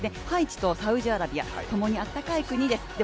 ハイチとサウジアラビア、共にあったかい国です。